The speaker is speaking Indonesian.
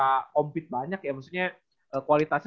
compete banyak ya maksudnya kualitasnya